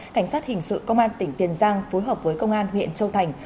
cảnh sát hình sự công an tỉnh tiền giang phối hợp với công an huyện châu thành